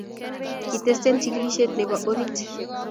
kitesten chigilishiet nebo orit.